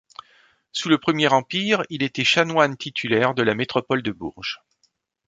Sous le Premier Empire, il était chanoine titulaire de la métropôle de Bourges.